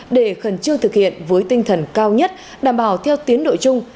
để khẩn trương thực hiện với tinh thần cao nhất đảm bảo theo tiến độ chung